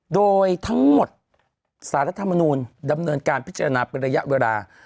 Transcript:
โดยทั้งหมดสารรัฐธรรมนูลดำเนินการพิจารณาเป็นระยะเวลา